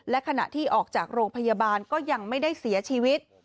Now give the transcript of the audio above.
และขณะที่ออกจากโรงพยาบาลก็ยังไม่ได้เสียชีวิต